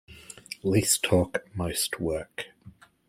Least talk most work.